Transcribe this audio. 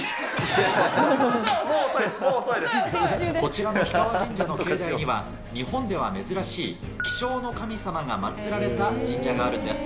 こちらの氷川神社の境内は日本では珍しい気象の神様がまつられた神社があるんです。